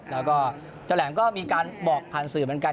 แล้วก็เจ้าแหลมก็มีการบอกผ่านสื่อเหมือนกัน